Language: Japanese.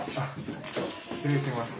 失礼します。